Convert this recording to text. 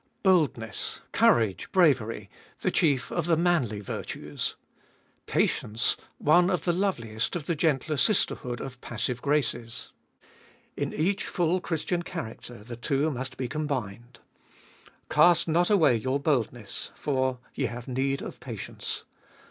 2. Boldness, courage, bravery, the chief of the manly virtues. Patience, one of the loveliest of the gentler sisterhood of passive graces. In each full Christian character the two must be combined. Cast not away your boldness, for— Ye have need of patience.